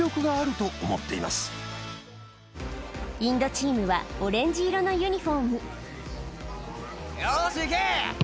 インドチームはオレンジ色のユニホームよし行け！